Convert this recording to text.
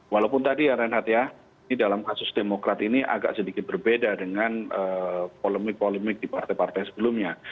walaupun tadi ya reinhardt ya ini dalam kasus demokrat ini agak sedikit berbeda dengan polemik polemik di partai partai sebelumnya